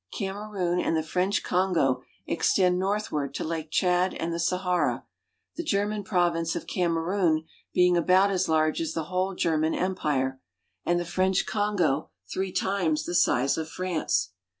Naiive « Kamerun and the French Kongo extend northward to 1 rLake Tchad and the Sahara, the German province of ] ■i,Kamerun being about as large as the whole German Em , [tpire and the French Kongo three times the size of France.